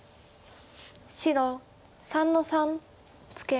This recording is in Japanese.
白３の三ツケ。